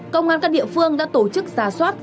công an các địa phương đã tổ chức xà xoát